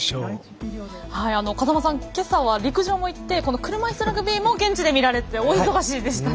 風間さん、けさは陸上もいって車いすラグビーも現地で見られて大忙しでしたね。